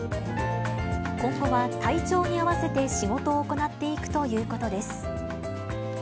今後は体調に合わせて仕事を行っていくということです。